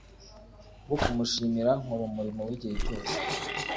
wo kumushimira nkora umurimo w igihe cyose